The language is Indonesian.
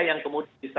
yang kemudian bisa